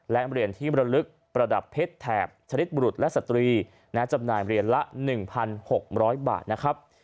และเหรียญที่บรรลึกประดับเพชรแถบชนิดบุรุษและสตรีจำหน่ายเหรียญละ๑๖๐๐บาทนะครับ